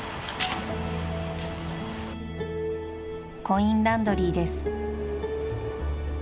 ［コインランドリーです］